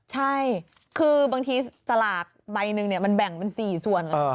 ใช่คือบางทีสลากใบหนึ่งมันแบ่งเป็น๔ส่วน